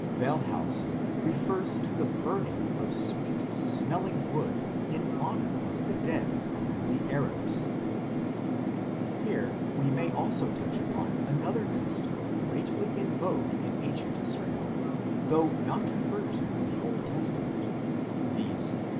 a Wellhausen refers to the burning of sweet smelling wood in honour of the dead among the Arabs. 3 Here we may also touch upon another custom greatly in vogue in ancient Israel, though not referred to in the Old Testament, viz.